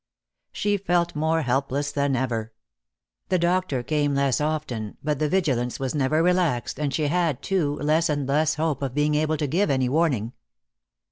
She felt more helpless than ever. The doctor came less often, but the vigilance was never relaxed, and she had, too, less and less hope of being able to give any warning.